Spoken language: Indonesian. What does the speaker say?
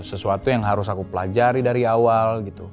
sesuatu yang harus aku pelajari dari awal gitu